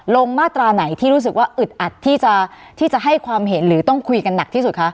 มาตราไหนที่รู้สึกว่าอึดอัดที่จะให้ความเห็นหรือต้องคุยกันหนักที่สุดคะ